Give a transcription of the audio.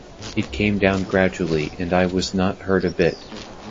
It came down gradually, and I was not hurt a bit.